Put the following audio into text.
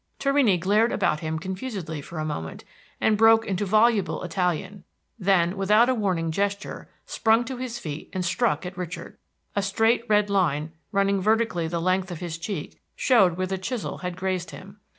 Torrini glared about him confusedly for a moment, and broke into voluble Italian; then, without a warning gesture, sprung to his feet and struck at Richard. A straight red line, running vertically the length of his cheek, showed where the chisel had grazed him.